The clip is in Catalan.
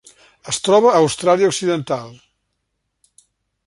Es troba a Austràlia Occidental.